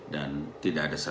dan tidak ada sasaran